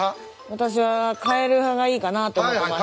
私は変える派がいいかなと思ってます。